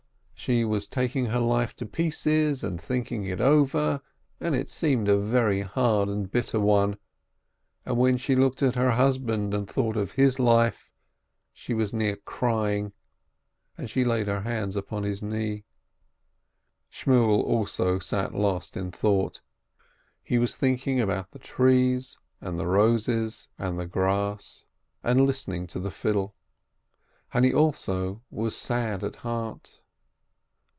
She was taking her life to pieces and thinking it over, and it seemed a very hard and bitter one, and when she looked at her husband and thought of his life, she was near crying, and she laid her hands upon his knee. Shmuel also sat lost in thought. He was thinking about the trees and the roses and the grass, and listening to the fiddle. And he also was sad at heart.